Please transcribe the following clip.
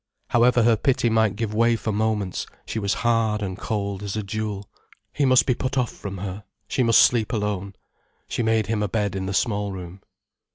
However her pity might give way for moments, she was hard and cold as a jewel. He must be put off from her, she must sleep alone. She made him a bed in the small room.